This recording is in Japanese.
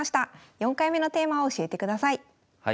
４回目のテーマを教えてください。